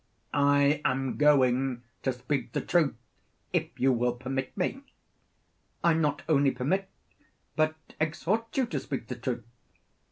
I am going to speak the truth, if you will permit me. I not only permit, but exhort you to speak the truth.